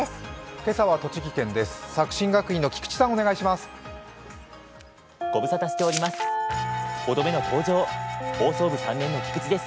今朝は栃木県です。